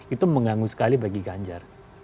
itu mengganggu sekali bagi ganjar